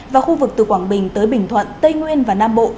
và khu vực từ quảng bình tới bình thuận tây nguyên và nam bộ